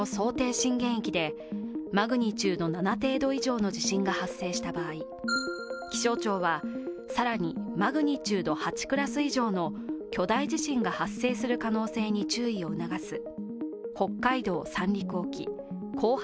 震源域で、マグニチュード７程度以上の地震が発生した場合気象庁は、更にマグニチュード８クラス以上の巨大地震が発生する可能性に注意を促す北海道・三陸沖後発